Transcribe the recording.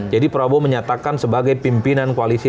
jadi prabowo menyatakan sebagai pimpinan koalisi